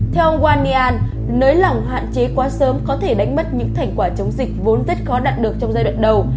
theo wang nian nới lòng hạn chế quá sớm có thể đánh bất những thành quả chống dịch vốn rất khó đạt được trong giai đoạn đầu